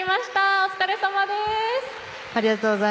お疲れさまです！